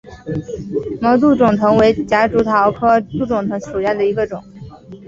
毛杜仲藤为夹竹桃科杜仲藤属下的一个种。